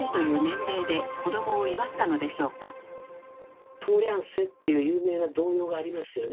でも「とおりゃんせ」っていう有名な童謡がありますよね。